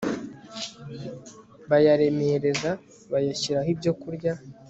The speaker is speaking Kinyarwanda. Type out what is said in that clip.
bayaremereza bayashyiraho ibyokurya